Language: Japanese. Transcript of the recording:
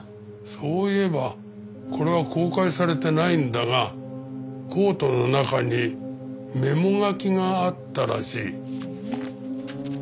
そういえばこれは公開されてないんだがコートの中にメモ書きがあったらしい。